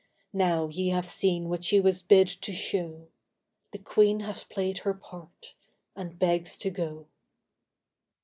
Now ye have seen what she was bid to show. The queen hath played her part and begs to go.